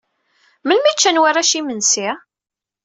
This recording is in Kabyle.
Melmi i ččan warrac imensi?